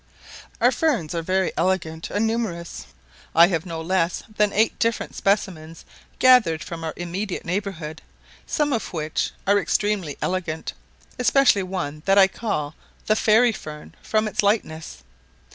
Our Ferns are very elegant and numerous; I have no less than eight different specimens, gathered from our immediate neighbourhood, some of which are extremely elegant, especially one that I call the "fairy fern," from its lightness.